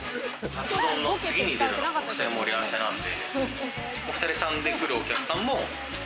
カツ丼の次に出るのが特製盛合わせなんで。